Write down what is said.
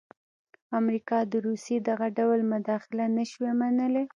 امریکا د روسیې دغه ډول مداخله نه شوای منلای.